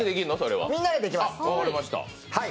みんなでできます。